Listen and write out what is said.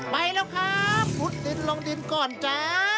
ไปแล้วครับมุดลงดินก่อนนะ